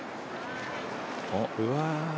うわ。